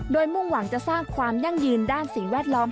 โดยมุ่งหวังจะสร้างความยั่งยืนด้านสิ่งแวดล้อม